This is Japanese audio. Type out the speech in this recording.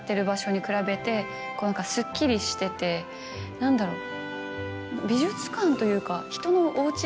何だろう。